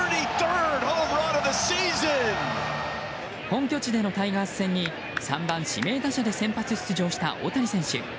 本拠地でのタイガース戦に３番指名打者で先発出場した大谷選手。